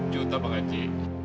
tujuh belas juta bang haji